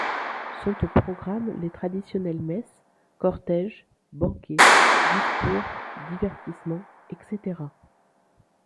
Sont au programme les traditionnelles messe, cortège, banquet, discours, divertissements, etc.